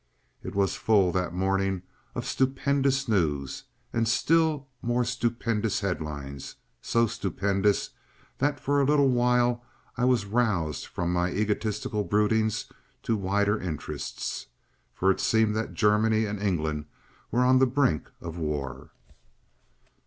It was full that morning of stupendous news and still more stupendous headlines, so stupendous that for a little while I was roused from my egotistical broodings to wider interests. For it seemed that Germany and England were on the brink of war.